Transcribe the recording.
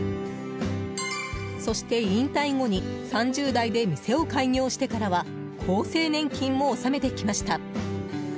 そして、引退後に３０代で店を開業してからは厚生年金も納めてきました。